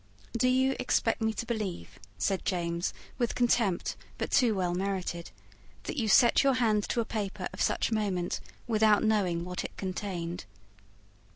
"Do you expect me to believe," said James, with contempt but too well merited, "that you set your hand to a paper of such moment without knowing what it contained?"